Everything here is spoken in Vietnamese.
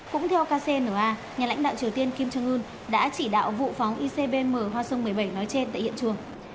cũng theo kcna nhà lãnh đạo triều tiên kim jong un đã chỉ đạo vụ phóng icbm hoa sông một mươi bảy nói trên tại hiện trường